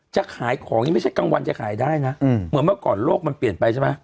จะขายของนี่ไม่ใช่กลางวันจะขายได้นะเหมือนเมื่อก่อนโลกมันเปลี่ยนไปใช่ไหม